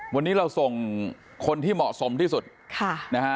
วันนี้เราส่งคนที่เหมาะสมที่สุดค่ะนะฮะ